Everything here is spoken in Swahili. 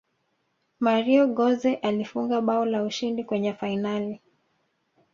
mario gotze alifunga bao la ushindi kwenye fainali